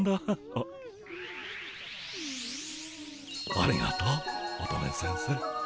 ありがとう乙女先生。